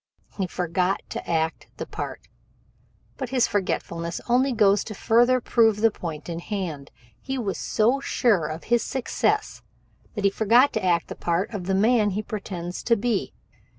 He forgot to act the part. But this forgetfulness only goes to further prove the point in hand. He was so sure of success that he forgot to act the part of the man he pretends to be.